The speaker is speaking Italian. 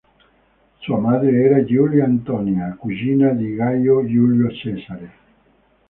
Sua madre era Giulia Antonia, cugina di Gaio Giulio Cesare.